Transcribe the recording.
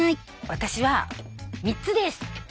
私は３つです。